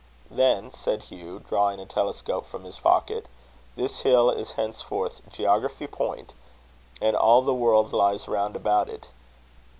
"Then," said Hugh, drawing a telescope from his pocket, "this hill is henceforth Geography Point, and all the world lies round about it.